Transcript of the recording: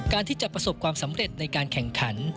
ที่จะประสบความสำเร็จในการแข่งขัน